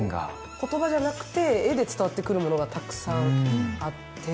言葉じゃなくて絵で伝わってくるものがたくさんあって。